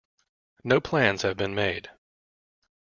No plans have been made.